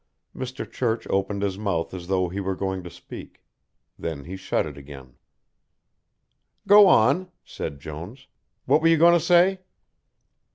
Mr. Church opened his mouth as though he were going to speak. Then he shut it again. "Go on," said Jones. "What were you going to say?"